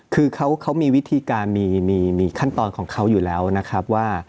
คือเขามีวิธีการมีขั้นตอนของเขาอยู่แล้วนะครับว่า